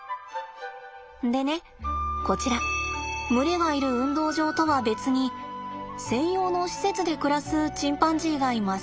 でねこちら群れがいる運動場とは別に専用の施設で暮らすチンパンジーがいます。